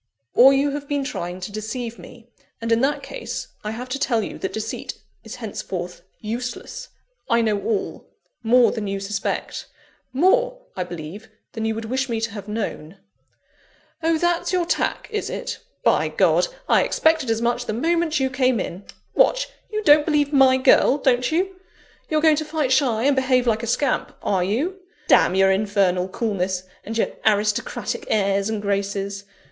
"Or you have been trying to deceive me; and in that case, I have to tell you that deceit is henceforth useless. I know all more than you suspect: more, I believe, than you would wish me to have known." "Oh, that's your tack, is it? By God, I expected as much the moment you came in! What! you don't believe my girl don't you? You're going to fight shy, and behave like a scamp are you? Damn your infernal coolness and your aristocratic airs and graces!